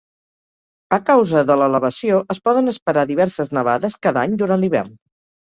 A causa de l'elevació, es poden esperar diverses nevades cada any durant l'hivern.